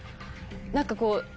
何かこう。